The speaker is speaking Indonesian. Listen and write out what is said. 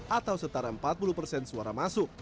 atau setara empat puluh persen suara masuk